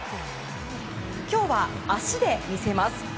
今日は足で見せます。